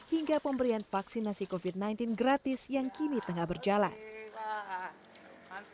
hingga pemberian vaksinasi covid sembilan belas gratis yang kini tengah berjalan